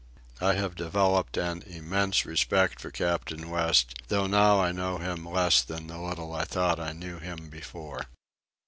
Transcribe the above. I have developed an immense respect for Captain West, though now I know him less than the little I thought I knew him before.